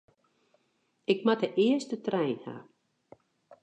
Ik moat de earste trein ha.